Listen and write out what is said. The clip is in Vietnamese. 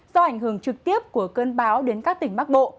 do ảnh hưởng trực tiếp của cơn bão đến các tỉnh bắc bộ